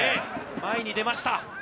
前に出ました。